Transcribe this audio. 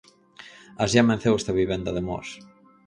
Así amenceu esta vivenda de Mos.